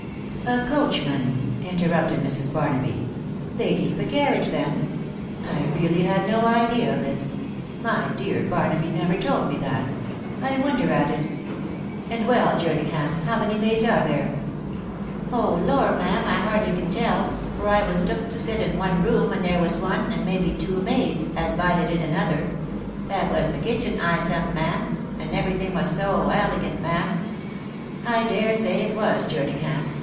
" A coachman !" interrupted Mrs. Barnabyj " they keep a carriage, then ?.... I really had no idea of it My dear Barnaby never told me that .... I wonder at it! ... And well, Jerningham, how many maids are there ?"" Oh lor ! ma'am, I hardly can tell, for I was tooked to sit in one room, and there was one, and may be two maids, as bided in another ; that was the kitchen, I sem, ma'am, and every thing was so elegant, ma'am." " I dare say it was, Jerningham